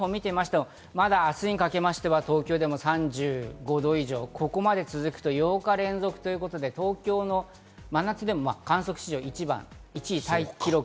また、明日にかけては東京でも３５度以上、ここまで続くと８日連続ということで、東京の真夏でも観測史上一番、１位タイ記録。